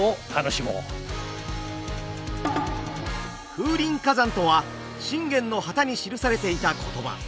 「風林火山」とは信玄の旗に記されていた言葉。